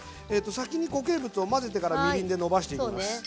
先に固形物を混ぜてからみりんでのばしていきます。